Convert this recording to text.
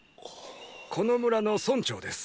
この村の村長です。